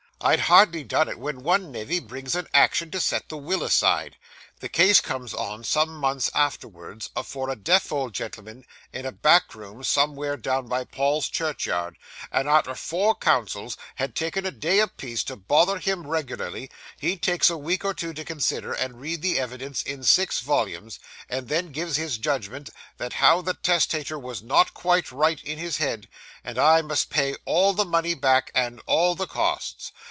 I'd hardly done it, when one nevy brings an action to set the will aside. The case comes on, some months afterwards, afore a deaf old gentleman, in a back room somewhere down by Paul's Churchyard; and arter four counsels had taken a day a piece to bother him regularly, he takes a week or two to consider, and read the evidence in six volumes, and then gives his judgment that how the testator was not quite right in his head, and I must pay all the money back again, and all the costs.